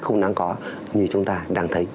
không đáng có như chúng ta đang thấy